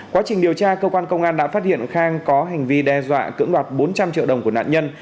quá trình điều tra cơ quan công an đã phát hiện khang có hành vi đe dọa cưỡng đoạt bốn trăm linh triệu đồng của nạn nhân